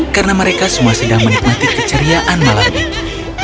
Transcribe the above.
karena mereka semua sedang menikmati keceriaan malam ini